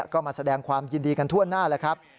ก็มาแสดงความยินดีกันทั่วหน้าแล้วครับ